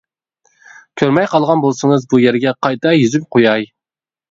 كۆرمەي قالغان بولسىڭىز بۇ يەرگە قايتا يېزىپ قۇياي.